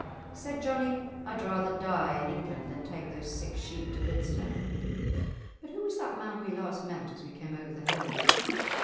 Said Johnie, "I'd rather die in England than take those six sheep to Liddesdale." "But who was that man we last met as we came over the hill?"